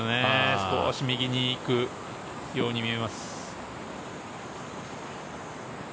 少し右に行くように思います。